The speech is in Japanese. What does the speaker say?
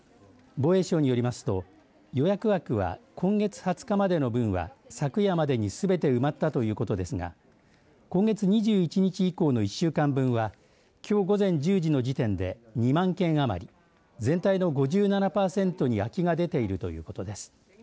防衛省によりますと予約枠は今月２０日までの分は昨夜までにすべて埋まったということですが今月２１日以降の１週間分はきょう午前１０時の時点で２万件余り全体の５７パーセントに空きが出ているということです。